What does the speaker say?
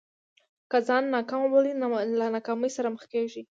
که ځان ناکام بولې له ناکامۍ سره مخ کېږې.